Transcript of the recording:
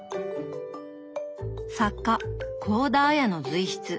作家幸田文の随筆。